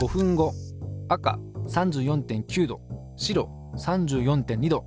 赤３４．９℃白３４．２℃